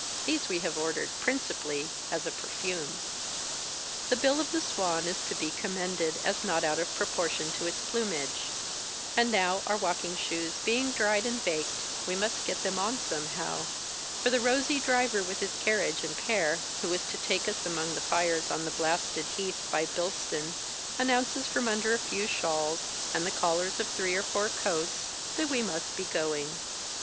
These we have ordered, principally as a perfume. The bill of the Swan is to be commended as not out of proportion to its plumage ; and now, our walking shoes being dried and baked, we must get them on somthow — for the rosy driver with his carriage and pair who is to take us among the llres on the blasted heath by BiLston announces from under a few shawls, and the collars of three or four coats, that we must be going.